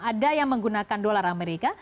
ada yang menggunakan dolar amerika